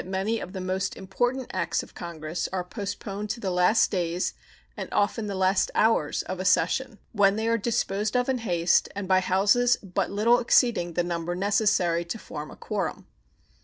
Indeed, our experience proves that many of the most important acts of Congress are postponed to the last days, and often the last hours, of a session, when they are disposed of in haste, and by Houses but little exceeding the number necessary to form a quorum.